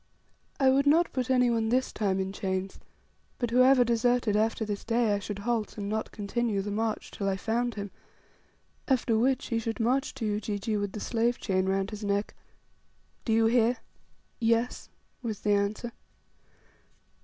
I would not put any one this time in chains; but whoever deserted after this day, I should halt, and not continue the march till I found him, after which he should march to Ujiji with the slave chain round his neck. "Do you hear?" "Yes," was the answer.